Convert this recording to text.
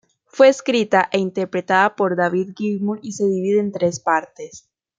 Fue escrita e interpretada por David Gilmour y se divide en tres partes.